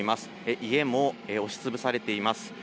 家も押しつぶされています。